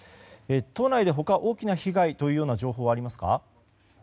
都内で他に大きな被害というような情報はありますか？